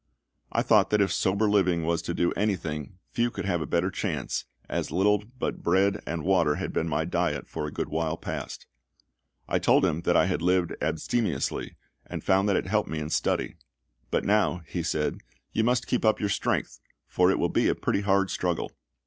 I thought that if sober living was to do anything, few could have a better chance, as little but bread and water had been my diet for a good while past. I told him I had lived abstemiously, and found that it helped me in study. "But now," he said, "you must keep up your strength, for it will be a pretty hard struggle."